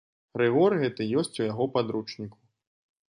Рыгор гэты ёсць у яго падручніку.